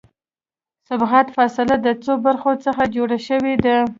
د سبقت فاصله د څو برخو څخه جوړه شوې ده